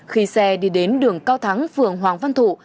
khi xe đi đến đường cao thắng phường hoàng văn thụ